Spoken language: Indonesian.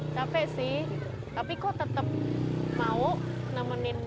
capek sih tapi kok tetep mau nemenin bapak tetep mau kenapa mau nemenin